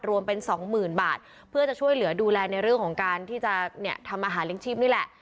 รวมเป็น๒๐๐๐๐บาทเพื่อจะช่วยเหลือดูแลในเรื่องของการทำอาหารเลี้ยงชีพนี่แหละ